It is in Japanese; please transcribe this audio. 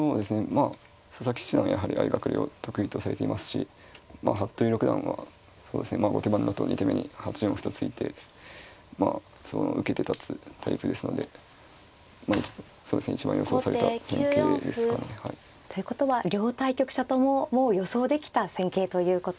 まあ佐々木七段はやはり相掛かりを得意とされていますし服部六段はそうですね後手番だと２手目に８四歩と突いてまあ受けて立つタイプですのでそうですね一番予想された戦型ですかね。ということは両対局者とももう予想できた戦型ということですね。